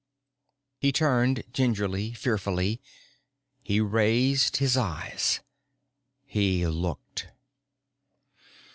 He turned, gingerly, fearfully. He raised his eyes. He looked.